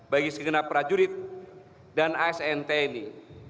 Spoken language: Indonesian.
bagi segenap para judi dan asnt ini